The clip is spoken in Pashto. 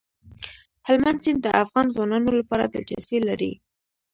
هلمند سیند د افغان ځوانانو لپاره دلچسپي لري.